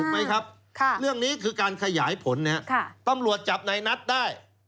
ถูกไหมครับเรื่องนี้คือการขยายผลเนี่ยตำรวจจับในนัดได้